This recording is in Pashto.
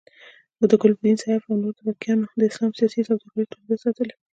د ګلبدین، سیاف او نورو توپکیانو د اسلام سیاسي سوداګري توده ساتلې.